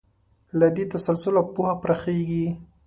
له دې تسلسله پوهه پراخېږي.